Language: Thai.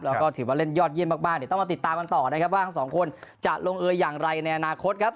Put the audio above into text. แล้วก็ถือว่าเล่นยอดเยี่ยมมากเดี๋ยวต้องมาติดตามกันต่อนะครับว่าทั้งสองคนจะลงเอยอย่างไรในอนาคตครับ